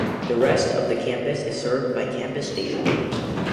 The rest of the campus is served by Campus station.